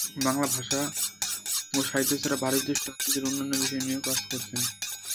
বাংলা ভাষা এবং সাহিত্য ছাড়াও ভারতীয় সংস্কৃতির অন্যান্য বিষয় নিয়েও কাজ করেছেন।